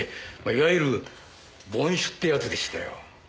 いわゆる凡手ってやつでしたよ。